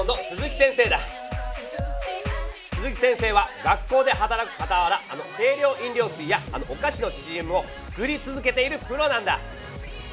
鈴木先生は学校で働くかたわらあの清涼飲料水やあのおかしのＣＭを作り続けているプロなんだ。